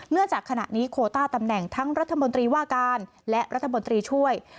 จากขณะนี้โคต้าตำแหน่งทั้งรัฐมนตรีว่าการและรัฐมนตรีช่วย